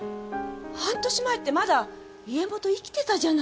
半年前ってまだ家元生きてたじゃない。